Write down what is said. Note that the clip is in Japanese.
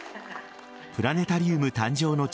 プラネタリウム誕生の地